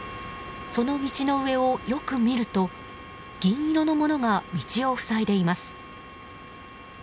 その道の上をよく見ると銀色のものが道を塞いでいます。